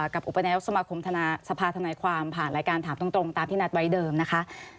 กับอุปเณ็นต์ด้องสมาคมธนาสภาธนาความผ่านรายการทามตรงในนัดวัยเดิมนะคะ